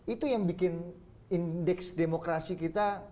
itu yang bikin indeks demokrasi kita